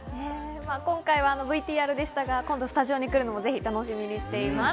今回はＶＴＲでしたが今度、スタジオに来るのも楽しみにしています。